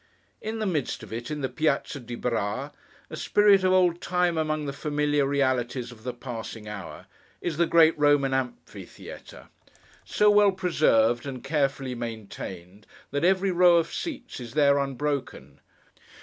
In the midst of it, in the Piazza di Brá—a spirit of old time among the familiar realities of the passing hour—is the great Roman Amphitheatre. So well preserved, and carefully maintained, that every row of seats is there, unbroken.